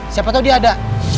siapa tau dia ada